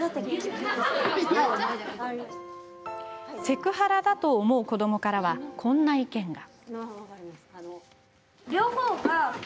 セクハラだと思う子どもからはこんな意見が。